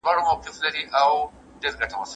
هغه اوس د خپلي بريا له پاره هڅه کوي.